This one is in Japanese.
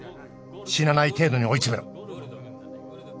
死なない程度に追い詰めろ。